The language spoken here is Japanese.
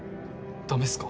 ダメっすか？